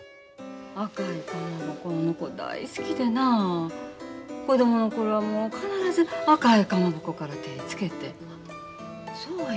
赤いかまぼこあの子大好きでな子供の頃はもう必ず赤いかまぼこから手ぇつけて。